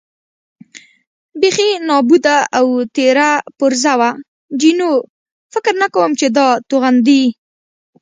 بېخي نابوده او تېره پرزه وه، جینو: فکر نه کوم چې دا توغندي.